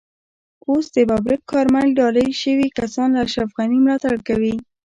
اوس د ببرک کارمل ډالۍ شوي کسان له اشرف غني ملاتړ کوي.